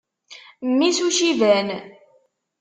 Mmi-s n Uciban.